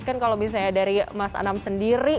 kan kalau misalnya dari mas anam sendiri